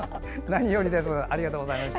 何よりです。